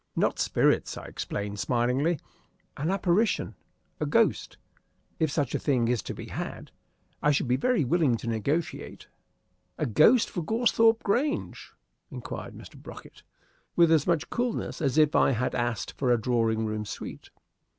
"Not spirits," I explained, smilingly; "an apparition a ghost. If such a thing is to be had, I should be very willing to negotiate." "A ghost for Goresthorpe Grange?" inquired Mr. Brocket with as much coolness as if I had asked for a drawing room suite.